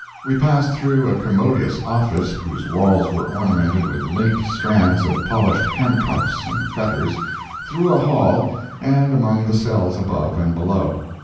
We passed through a commodious office, whose walls were ornamented with linked strands of polished handcuffs and fetters, through a hall, and among the cells above and below.